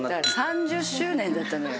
３０周年だったのよ。